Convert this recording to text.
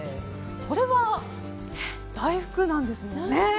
これは大福なんですもんね。